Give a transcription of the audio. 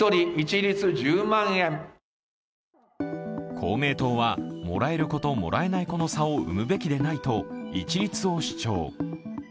公明党はもらえる子ともらえない子の差を生むべきでないと一律を主張。